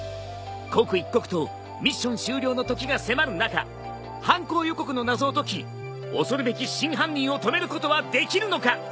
刻一刻とミッション終了のときが迫る中犯行予告の謎を解き恐るべき真犯人を止めることはできるのか？